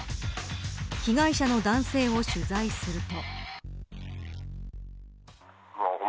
被害者の男性を取材すると。